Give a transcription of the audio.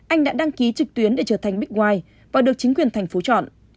anh đã đăng ký trực tuyến để trở thành big wi và được chính quyền thành phố chọn